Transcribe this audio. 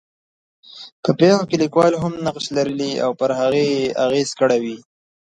په پېښو کې لیکوال هم نقش لرلی او پر هغې یې اغېز کړی وي.